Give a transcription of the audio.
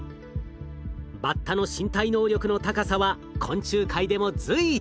バッタの身体能力の高さは昆虫界でも随一。